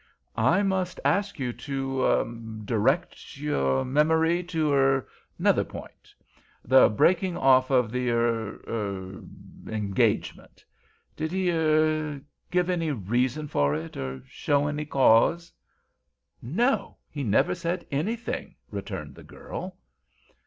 "I must ask you to—er—direct your memory—to—er—another point; the breaking off of the—er—er—er—engagement. Did he—er—give any reason for it? Or show any cause?" "No; he never said anything," returned the girl.